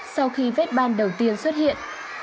sau khi vết ban đầu tiên xuất hiện